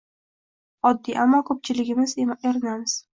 Oddiy, ammo ko‘pchiligimiz erinamiz.